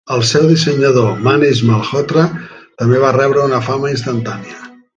El seu dissenyador Manish Malhotra també va rebre una fama instantània.